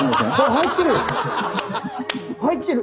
入ってる！